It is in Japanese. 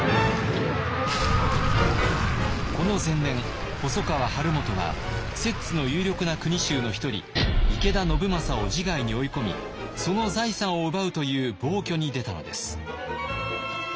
この前年細川晴元は摂津の有力な国衆の一人池田信正を自害に追い込みその財産を奪うという暴挙に出たのです。